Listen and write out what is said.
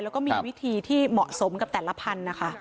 แล้วก็มีวิธีที่เหมาะสมกับแต่ละพันธุ์นะคะ